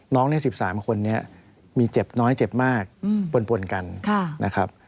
ใน๑๓คนนี้มีเจ็บน้อยเจ็บมากปนกันนะครับ